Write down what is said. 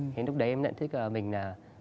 thì lúc đấy em nhận thức là mình là